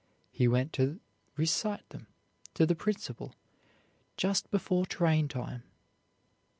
He went to recite them to the principal just before train time.